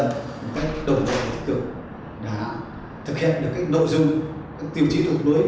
một cách đồng đội tích cực đã thực hiện được các nội dung các tiêu chí thuật mới